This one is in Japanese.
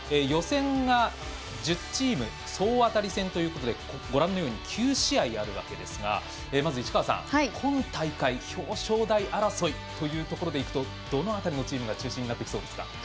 予選が１０チーム総当たり戦ということで９試合あるわけですがまず、今大会表彰台争いというところでいくとどの辺りのチームが中心になってきそうですか。